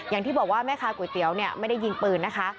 อย่างที่บอกว่าแม่ค้าก๋วยเตี๋ยวเนี่ยไม่ได้ยิงปืนนะคะ